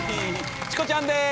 チコちゃんです